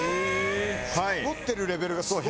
サボってるレベルがすごいな。